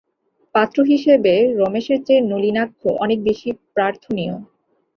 পাত্র হিসাবে রমেশের চেয়ে নলিনাক্ষ অনেক বেশি প্রার্থনীয়।